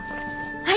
はい！